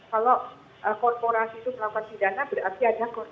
kalau korporasi itu melakukan pidana berarti ada korporasi